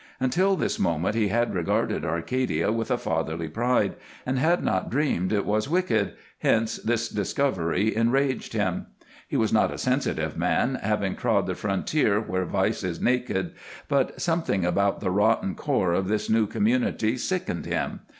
Until this moment he had regarded Arcadia with fatherly pride, and had not dreamed it was wicked, hence this discovery enraged him. He was not a sensitive man, having trod the frontier where vice is naked, but something about the rotten core of this new community sickened him.